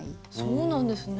そうなんですね。